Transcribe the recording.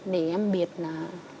để em biết là